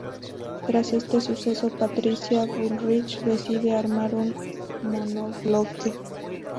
Tras este suceso, Patricia Bullrich decide armar un monobloque.